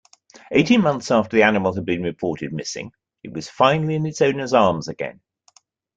Eighteen months after the animal has been reported missing it was finally in its owner's arms again.